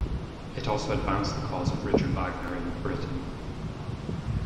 It also advanced the cause of Richard Wagner in Britain.